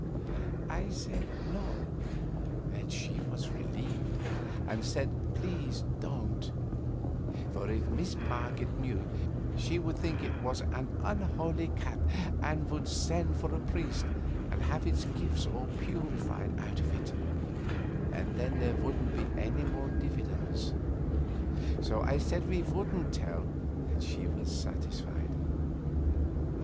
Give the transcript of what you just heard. I said no, and she was relieved, and said please don't; for if Miss Marget knew, she would think it was an unholy cat and would send for a priest and have its gifts all purified out of it, and then there wouldn't be any more dividends. So I said we wouldn't tell, and she was satisfied.